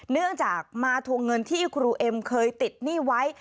เนื่องจากมาทวงเงินที่ครูเอ็มเคยติดหนี้ไว้